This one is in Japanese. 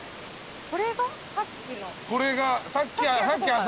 これがさっきの？